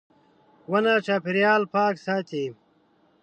• ونه چاپېریال پاک ساتي.